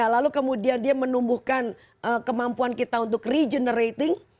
lalu kemudian dia menumbuhkan kemampuan kita untuk regenerating